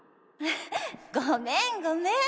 ごめんごめん。